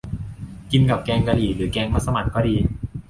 กินกับแกงกะหรี่ หรือแกงมัสหมั่นก็ดี